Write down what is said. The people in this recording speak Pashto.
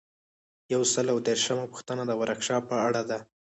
یو سل او دیرشمه پوښتنه د ورکشاپ په اړه ده.